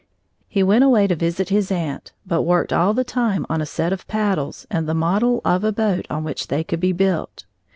He went away to visit his aunt but worked all the time on a set of paddles and the model of a boat on which they could be built.